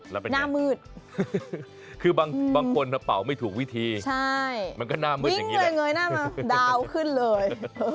หน้ามืดคืบางคนก็ป่าวไม่ถุงวิธีใช่มันก็หน้ามืดอย่างนี้วิ่งเลยเลยนั่นมาเดาขึ้นเลย